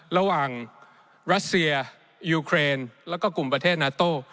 ระหว่างรัสเซียยูเครนแล้วก็กลุ่มประเทศนาโต้